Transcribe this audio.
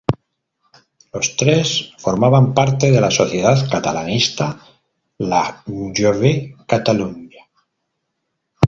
Los tres formaban parte de la sociedad catalanista la Jove Catalunya.